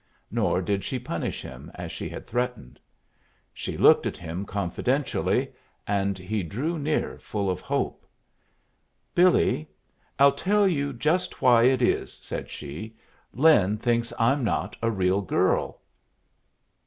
Nor did she punish him as she had threatened. She looked at him confidentially, and he drew near, full of hope. "Billy, I'll tell you just why it is," said she. "Lin thinks I'm not a real girl."